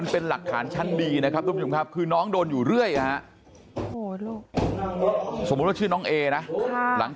อ้าวไม่ใช่แค่นี้นะ